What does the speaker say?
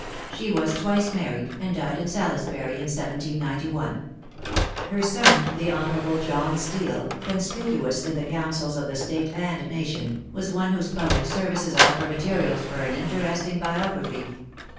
She was twice married, and died in Salisbury, in 1791. Her son, the Hon. John Steele, conspicuous in the councils of the State and Nation, was one whose public services offer materials for an interesting biography.